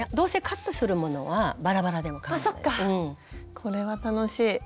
これは楽しい。